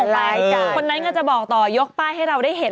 อ๋อแล้วก็ส่งไปคนนั้นก็จะบอกต่อยกป้ายให้เราได้เห็น